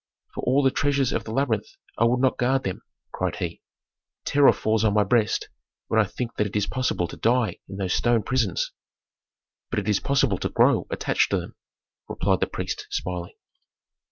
"For all the treasures of the labyrinth I would not guard them!" cried he. "Terror falls on my breast when I think that it is possible to die in those stone prisons." "But it is possible to grow attached to them," replied the priest smiling.